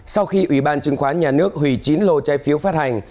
sau khi ủy ban chứng khoán nhà nước hủy chín lô trái phiếu phát hành